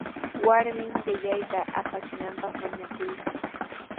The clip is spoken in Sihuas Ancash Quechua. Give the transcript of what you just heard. Warmin qillayta hampichinanpaq mañakuykan.